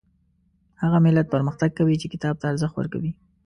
هغه ملت پرمختګ کوي چې کتاب ته ارزښت ورکوي